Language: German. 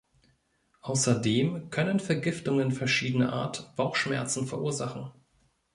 Außerdem können Vergiftungen verschiedener Art Bauchschmerzen verursachen.